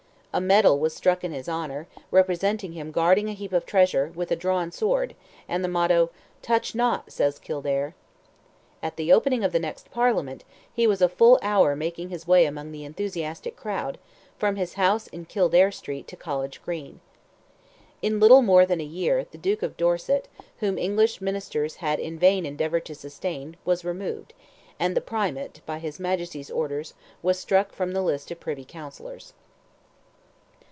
A medal was struck in his honour, representing him guarding a heap of treasure with a drawn sword, and the motto—"Touch not, says Kildare." At the opening of the next Parliament, he was a full hour making his way among the enthusiastic crowd, from his house in Kildare street to College Green. In little more than a year, the Duke of Dorset, whom English ministers had in vain endeavoured to sustain, was removed, and the Primate, by his Majesty's orders, was struck from the list of privy counsellors.